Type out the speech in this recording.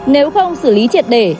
nếu không xử lý triệt đề